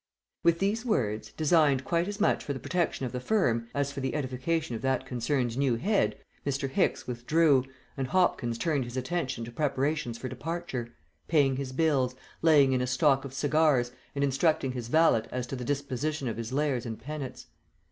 With these words, designed quite as much for the protection of the firm, as for the edification of that concern's new head, Mr. Hicks withdrew, and Hopkins turned his attention to preparations for departure; paying his bills, laying in a stock of cigars, and instructing his valet as to the disposition of his lares and penates.